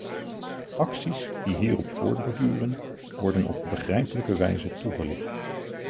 Acties die hierop voortborduren, worden op begrijpelijke wijze toegelicht.